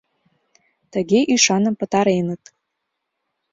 Тыге ӱшаным пытареныт.